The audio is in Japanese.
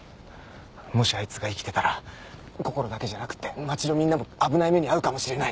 もしあいつが生きてたらこころだけじゃなくて街のみんなも危ない目に遭うかもしれない。